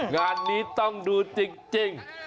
งานนี้ต้องดูจริง